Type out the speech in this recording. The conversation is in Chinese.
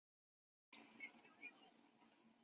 西部地区联赛的冠军可以直接升入丙级联赛。